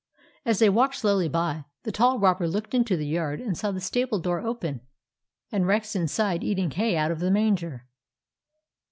As they walked slowly by, the tall robber looked into the yard and saw the stable door open and Rex inside eating hay out of the manger.